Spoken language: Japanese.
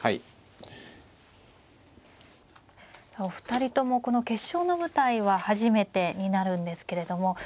お二人ともこの決勝の舞台は初めてになるんですけれども。